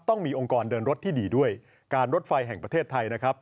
ต้องมีองค์กรเดินรถที่ดีด้วยการรถไฟแห่งประเทศไทยนะครับ